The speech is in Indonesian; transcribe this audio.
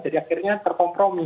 jadi akhirnya terkompromi